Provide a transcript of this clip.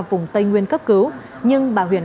vùng tây nguyên cấp cứu nhưng bà huyền